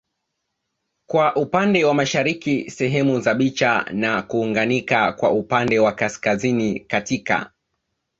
kwa upande wa mashariki sehemu za Bicha na kuunganika kwa upande wa kaskazini katika